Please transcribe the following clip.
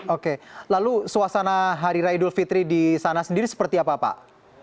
oke lalu suasana hari raya idul fitri di sana sendiri seperti apa pak